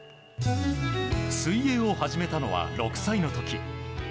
水泳を始めたのは６歳の時。